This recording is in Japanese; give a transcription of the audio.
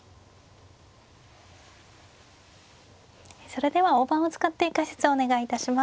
それでは大盤を使って解説をお願いいたします。